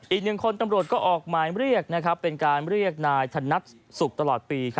อีกหนึ่งคนตำรวจก็ออกหมายเรียกเป็นการเรียกนายธนัดสุขตลอดปี